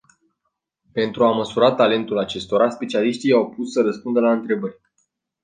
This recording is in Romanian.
Pentru a măsura talentul acestora, specialiștii i-au pus să răspundă la întrebări.